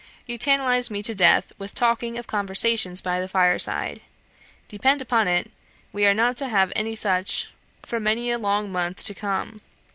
You tantalize me to death with talking of conversations by the fireside. Depend upon it, we are not to have any such for many a long month to come.